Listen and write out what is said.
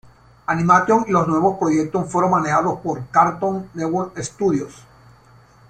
Animation y los nuevos proyectos fueron manejados por Cartoon Network Studios.